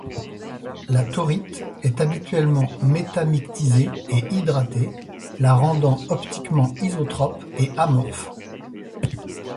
La thorite est habituellement métamictisée et hydratée, la rendant optiquement isotrope et amorphe.